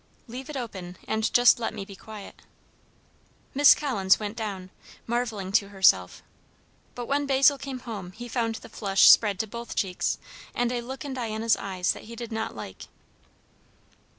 "Leave it open and just let me be quiet." Miss Collins went down, marvelling to herself. But when Basil came home he found the flush spread to both cheeks, and a look in Diana's eyes that he did not like.